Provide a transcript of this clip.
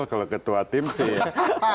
kalau ketua tim sih